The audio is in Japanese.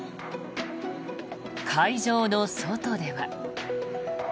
会場の外では。